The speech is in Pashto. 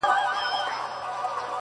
• یوه شپه مېرمن پر کټ باندي پرته وه -